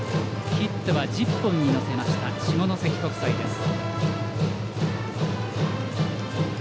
ヒットは１０本にのせました、下関国際です。